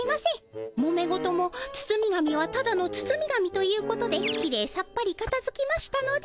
もめ事もつつみ紙はただのつつみ紙ということできれいさっぱりかたづきましたので。